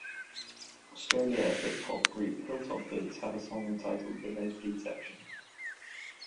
Australia hip hop group Hilltop Hoods have a song titled "The Nosebleed Section".